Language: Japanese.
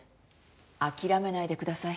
諦めないでください。